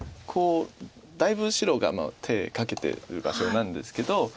こうだいぶ白が手かけてる場所なんですけど。